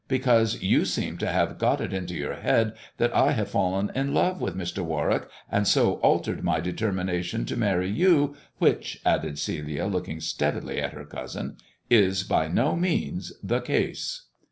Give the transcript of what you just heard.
" Because you seem to have got it into your head that I have fallen in love with Mr. Warwick, and so altered my determination to marry you, which," added Celia^ looking steadily at her cousin, "is by no means the case."